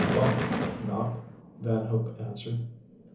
"Bunk, Nopp," Van Hope answered.